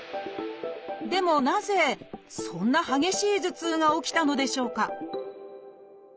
でもなぜそんな激しい頭痛が起きたのでしょうか？